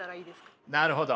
なるほど。